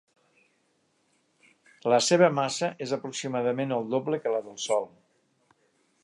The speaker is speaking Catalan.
La seva massa és aproximadament el doble que la del Sol.